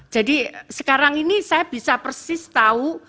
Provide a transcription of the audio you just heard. jadi sekarang ini saya bisa persis tahu